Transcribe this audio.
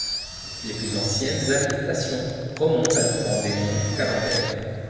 Les plus anciennes attestations remontent à dans des noms calendaires.